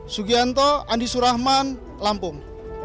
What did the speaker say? sugianto andi surahman lampung